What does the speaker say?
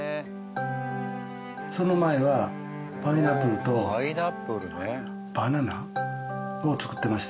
その前はパイナップルとバナナを作ってました。